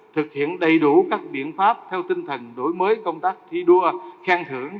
thực hiện đầy đủ các biện pháp theo tinh thần đổi mới công tác thi đua